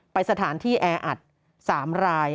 ไปสถานที่แออัด๓ราย